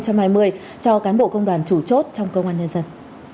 cho cán bộ công đoàn chủ chốt trong công an nhân dân